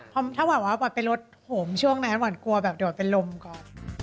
เพราะถ้าหวัดไปรถโหมช่วงนั้นหวานกลัวแบบเดี๋ยวเป็นลมก่อน